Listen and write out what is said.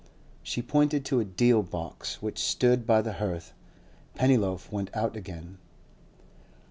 She pointed to a deal box which stood by the hearth. Pennyloaf went out again.